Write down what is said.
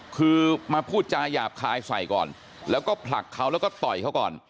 คือมาพูดจาหยาบคายใส่ก่อนแล้วก็ผลักเขาแล้วก็ต่อยเขาก่อน